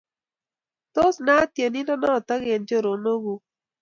Tos naat tyenindet noto eng' choronokuk